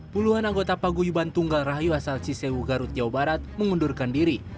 puluhan anggota paguyuban tunggal rahayu asal cisewu garut jawa barat mengundurkan diri